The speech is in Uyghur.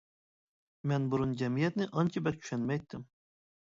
مەن بۇرۇن جەمئىيەتنى ئانچە بەك چۈشەنمەيتتىم.